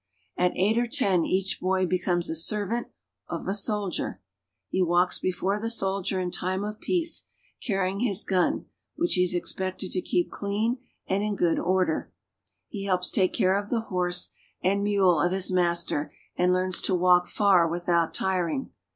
At eight or ten each boy becomes a servant of a soldier. He walks before the soldier in time of peace, carrying his gun, which he is expected to keep clean and id order. He helps take care of the horse and mule his master, and learns to walk far without tiring.